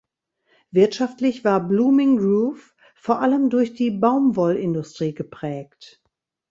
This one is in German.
Wirtschaftlich war Blooming Grove vor allem durch die Baumwollindustrie geprägt.